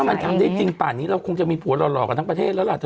มันทำได้จริงป่านนี้เราคงจะมีผัวหล่อกันทั้งประเทศแล้วล่ะเธอ